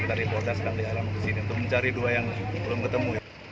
kita reportas dari alam ke sini untuk mencari dua yang belum ketemu